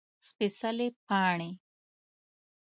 سپيڅلي پاڼې